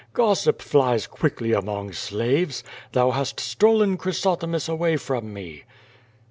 "Gossip flies quickly among slaves. Thou hast stolen Chrysothemis away from me."